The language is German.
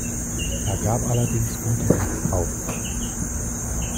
Er gab allerdings unterwegs auf.